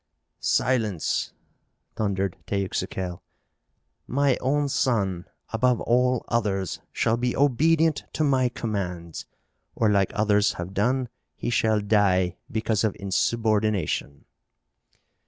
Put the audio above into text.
"Silence!" thundered Teuxical. "My own son, above all others, shall be obedient to my commands! Or, like others have done, he shall die because of insubordination!"